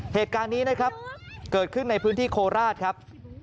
เหตุการณ์นี้นะครับเกิดขึ้นในพื้นที่โคราชครับ